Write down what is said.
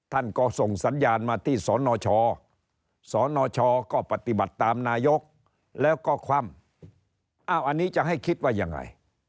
ท่านก็ส่งสัญญาณมาที่สนชสนชก็ปฏิบัติตามนายกแล้วก็คว่ำอ้าวอันนี้จะให้คิดว่ายังไง